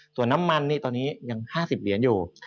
ส่วนน้ำมันนี่ตอนนี้ยัง๕๐เหรียญอยู่